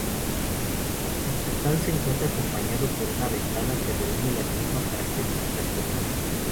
El portal se encuentra acompañado por una ventana que reúne las mismas características formales.